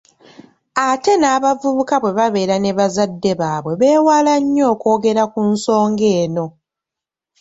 Ate n’abavubuka bwe babeera ne bazadde baabwe beewala nnyo okwogera ku nsonga eno.